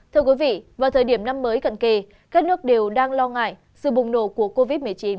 thưa quý vị vào thời điểm năm mới cận kề các nước đều đang lo ngại sự bùng nổ của covid một mươi chín